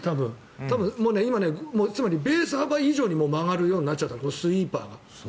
今、ベース幅以上に曲がるようになっちゃったスイーパーが。